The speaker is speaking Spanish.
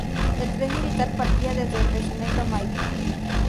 El tren militar partía desde el Regimiento Maipo.